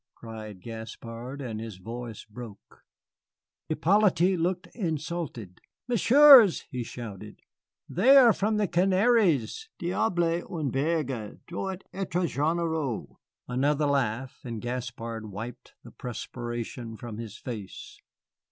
cried Gaspard, and his voice broke. Hippolyte looked insulted. "M'ssieurs," he shouted, "they are from the Canaries. Diable, un berger doit être généreux." Another laugh, and Gaspard wiped the perspiration from his face.